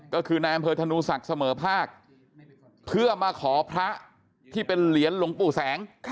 ก็คือนายอำเภอธนูศักดิ์เสมอภาคเพื่อมาขอพระที่เป็นเหรียญหลวงปู่แสง